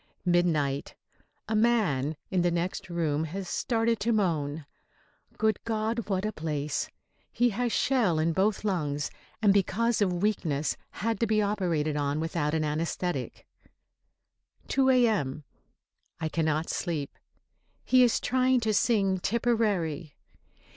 Midnight. A man in the next room has started to moan. Good God, what a place! He has shell in both lungs, and because of weakness had to be operated on without an anæsthetic. 2 A.M. I cannot sleep. He is trying to sing "Tipperary."